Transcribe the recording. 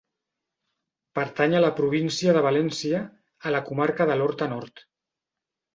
Pertany a la Província de València, a la comarca de l'Horta Nord.